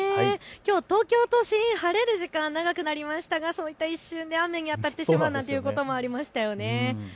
きょう東京都心晴れる時間は長くなりましたが一瞬で雨に当たってしまうということもありますよね。